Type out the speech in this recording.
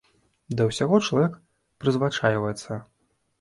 Да ўсяго чалавек прызвычайваецца.